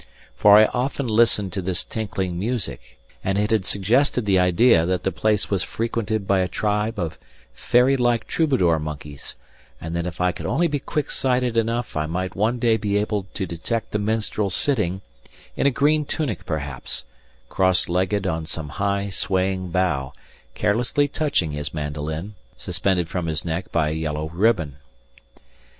For I often listened to this tinkling music, and it had suggested the idea that the place was frequented by a tribe of fairy like troubadour monkeys, and that if I could only be quick sighted enough I might one day be able to detect the minstrel sitting, in a green tunic perhaps, cross legged on some high, swaying bough, carelessly touching his mandolin, suspended from his neck by a yellow ribbon.